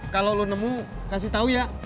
kalau lo nemu kasih tau ya